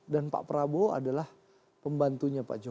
dan pak prabowo adalah pembantunya pak jokowi